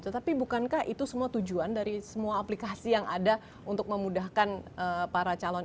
tapi bukankah itu semua tujuan dari semua aplikasi yang ada untuk memudahkan para calon